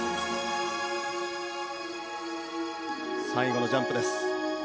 最後のジャンプです。